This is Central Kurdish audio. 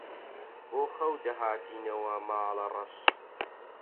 بۆ خەو دەهاتینەوە ماڵەڕەش